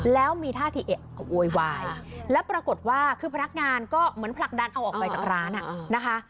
แล้วมีท่าทีเอะโวยวายแล้วปรากฏว่าคือพนักงานก็เหมือนผลักดันเอาออกไปจากร้านนะคะ